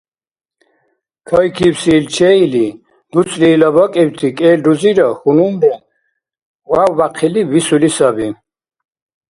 Кайкибси ил чеили, дуцӀли ила бакӀибти кӀел рузира хьунулра вявбяхъили бисули саби.